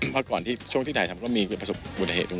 เมื่อก่อนช่วงที่ถ่ายทำก็มีประสบบุติเหตุ